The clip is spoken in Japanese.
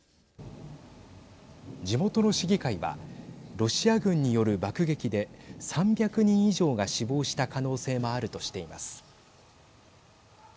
地元の市議会はロシア軍による爆撃で３００人以上が死亡した可能性もあるとしています。